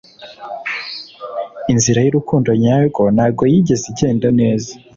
inzira y'urukundo nyarwo ntabwo yigeze igenda neza